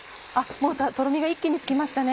もうとろみが一気につきましたね。